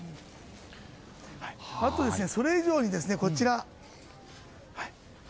あと、それ以上にこちら。